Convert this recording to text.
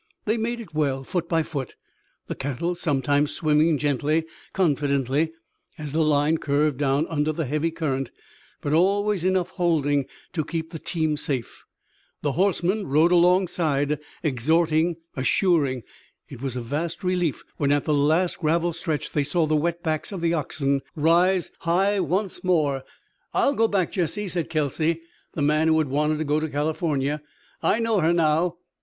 They made it well, foot by foot, the cattle sometimes swimming gently, confidently, as the line curved down under the heavy current, but always enough holding to keep the team safe. The horsemen rode alongside, exhorting, assuring. It was a vast relief when at the last gravel stretch they saw the wet backs of the oxen rise high once more. "I'll go back, Jesse," said Kelsey, the man who had wanted to go to California. "I know her now."